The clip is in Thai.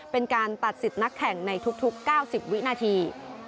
เป็นการตัดสิทธิ์นักแข่งในทุก๙๐วินาที